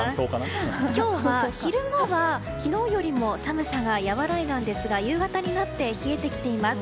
今日は、昼間は昨日よりも寒さが和らいだんですが夕方になって冷えてきています。